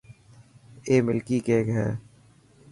اي ملڪي ڪيڪ هي.